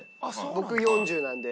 僕４０なので。